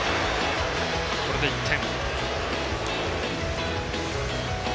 これで１点。